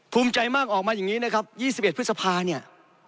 ภูมิใจมากออกมาอย่างนี้นะครับยี่สิบเอ็ดพฤษภาเนี้ย